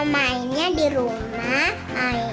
mainnya di rumah